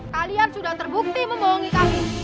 kalian sudah terbukti membohongi kami